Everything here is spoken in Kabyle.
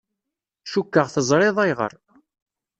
Cukkeɣ teẓriḍ ayɣer.